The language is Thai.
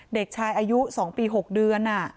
เด็กชายอายุ๒ปี๖เดือน